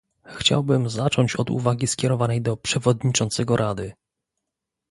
Chciałbym zacząć od uwagi skierowanej do przewodniczącego Rady